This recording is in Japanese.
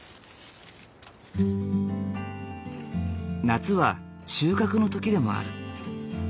夏は収穫の時でもある。